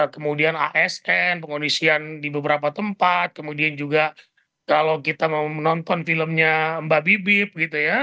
kemudian asn pengonisian di beberapa tempat kemudian juga kalau kita mau menonton filmnya mbak bibip gitu ya